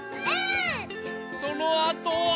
そのあとは。